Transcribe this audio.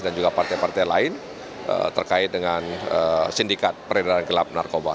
dan juga partai partai lain terkait dengan sindikat peredaran gelap narkoba